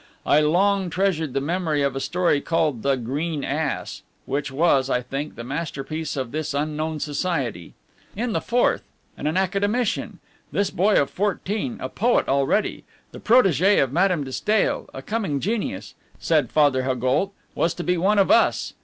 I long treasured the memory of a story called the "Green Ass," which was, I think, the masterpiece of this unknown Society. In the fourth, and an Academician! This boy of fourteen, a poet already, the protege of Madame de Stael, a coming genius, said Father Haugoult, was to be one of us!